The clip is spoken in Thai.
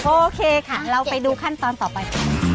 โอเคค่ะเราไปดูขั้นตอนต่อไป